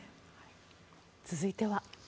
続いては。